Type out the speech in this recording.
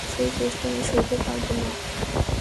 সেই কষ্ট আমি সইতে পারব না।